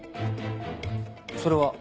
それは？